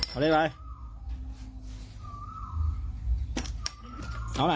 เอาไหนน่ะ